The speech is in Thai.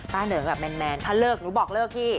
ป้าเหนื่องแมนถ้าเลิกหนูบอกเลิกพี่